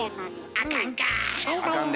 あかんで。